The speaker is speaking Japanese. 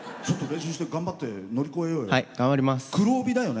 練習して頑張って乗り越えようよ。